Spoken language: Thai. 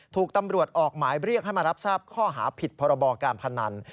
ถูกตำรวจออกหมายเรียกให้มารับทราบข้อหาผิดพรบการพนัน